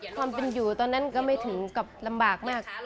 ความเป็นอยู่ตอนนั้นก็ไม่ถึงกับลำบากมาก